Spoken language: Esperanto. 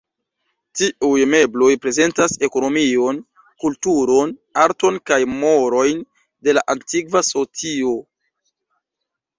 Tiuj mebloj prezentas ekonomion, kulturon, arton kaj morojn de la antikva socio.